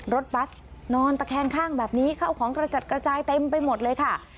บัสนอนตะแคงข้างแบบนี้เข้าของกระจัดกระจายเต็มไปหมดเลยค่ะ